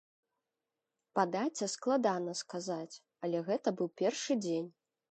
Па даце складана сказаць, але гэта быў першы дзень.